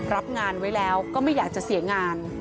รับงานไว้แล้วก็ไม่อยากจะเสียงาน